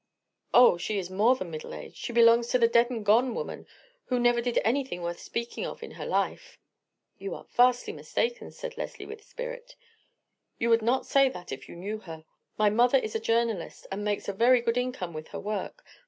"Oh, she is more than middle aged. She belongs to the dead and gone woman, who never did anything worth speaking of in her life." "You are vastly mistaken," said Leslie, with spirit. "You would not say that if you knew her. My mother is a journalist, and makes a very good income with her work.